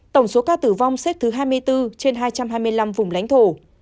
tổng số ca tử vong xếp thứ hai mươi bốn trên hai trăm hai mươi năm vùng lãnh thổ